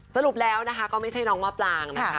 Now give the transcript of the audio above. สรุปแล้วนะคะก็ไม่ใช่น้องมะปลางนะคะ